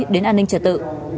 đến an ninh trở tự